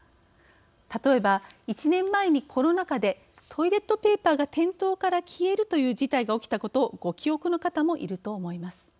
例えば、１年前にコロナ禍でトイレットペーパーが店頭から消えるという事態が起きたことをご記憶の方もいると思います。